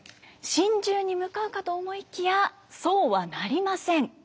心中に向かうかと思いきやそうはなりません。